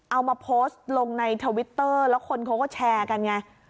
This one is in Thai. เอามาโพสต์ลงในทวิตเตอร์แล้วคนเขาก็แชร์กันไง